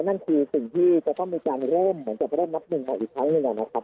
นั่นคือสิ่งที่จะต้องมีการเริ่มเหมือนจะไม่ได้นับหนึ่งออกอีกครั้งด้วยกันนะครับ